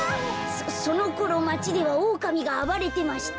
そのころまちではオオカミがあばれてました。